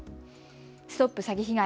ストップ詐欺被害！